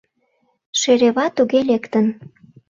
— Шерева туге лектын.